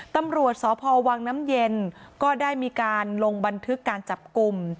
ตำรวจสพวังน้ำเย็นก็ได้มีการลงบันทึกการจับกลุ่ม